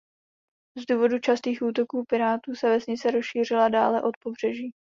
Z důvodu častých útoků pirátů se vesnice rozšířila dále od pobřeží.